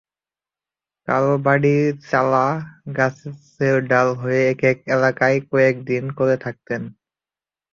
কারও বাড়ির চালা, গাছের ডাল হয়ে একেক এলাকায় কয়েক দিন করে থাকতেন।